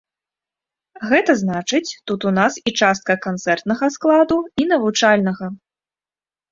Гэта значыць тут у нас і частка канцэртнага складу, і навучальнага.